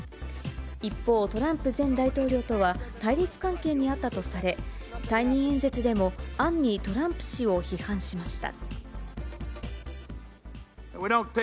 一方、トランプ前大統領とは対立関係にあったとされ、退任演説でも、暗にトランプ氏を批判しました。